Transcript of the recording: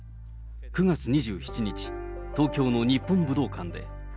９月２７日、東京の日本武道館で。